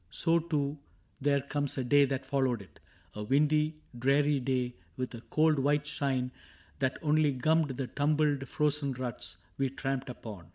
So too there comes a day that followed it — A windy, dreary day with a cold white shine That only gummed the tumbled frozen ruts We tramped upon.